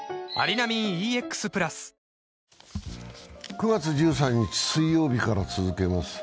９月１３日水曜日から続けます。